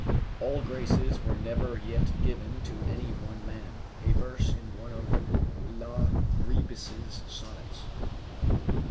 ["All graces were never yet given to any one man." A verse in one of La Brebis' Sonnets.